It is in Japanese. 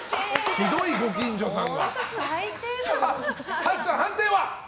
ひどい、ご近所さん。